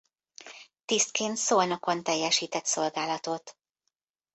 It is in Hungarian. Tisztként Szolnokon teljesített szolgálatot.